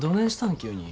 急に。